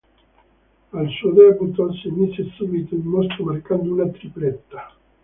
Al suo debutto si mise subito in mostra marcando una tripletta.